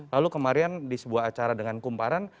lalu kemarin di sebuah acara dengan kumparan